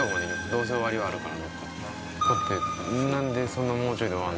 どうせ終わりはあるから。